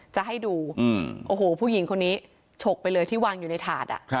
จะให้ดูโอ้โหผู้หญิงคนนี้ฉกไปเลยที่วางอยู่ในถาด